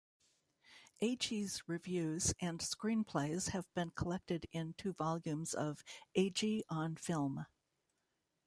Agee's reviews and screenplays have been collected in two volumes of "Agee on Film".